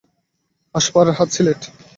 Ask for Rahat, Sylhet.